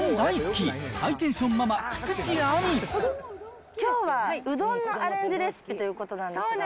きょうはうどんのアレンジレシピということなんですが。